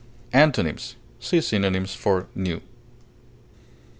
Antonyms: See synonyms for NEW.